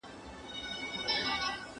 ¬ دا دي کټ دا دي پوزى، دا دي پوله دا پټى.